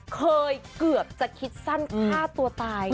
เกือบจะคิดสั้นฆ่าตัวตาย